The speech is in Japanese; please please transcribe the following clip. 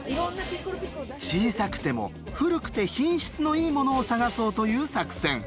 小さくても古くて品質のいいものを探そうという作戦。